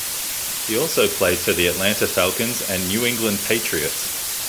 He also played for the Atlanta Falcons and New England Patriots.